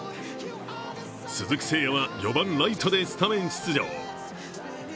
鈴木誠也は４番・ライトでスタメン出場。